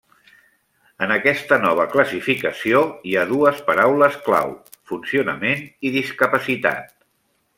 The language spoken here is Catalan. En aquesta nova classificació hi ha dues paraules clau: funcionament i discapacitat.